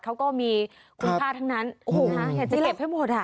เขาก็มีคุณค่าทั้งนั้นอยากจะเก็บให้หมด